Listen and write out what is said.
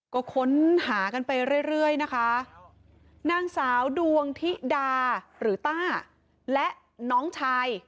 ก็ค้นหากันไปเรื่อยเรื่อยนะคะนางสาวดวงธิดาหรือต้าและน้องชาย